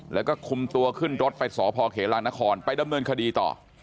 แล้วก็คุมตัวขึ้นรถไปสพเขลางนครไปดำเนินคดีต่อ